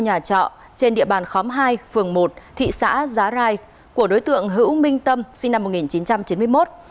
nhà trọ trên địa bàn khóm hai phường một thị xã giá rai của đối tượng hữu minh tâm sinh năm một nghìn chín trăm chín mươi một